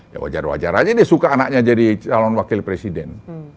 ya wajar wajar aja dia suka anaknya jadi calon wakil presiden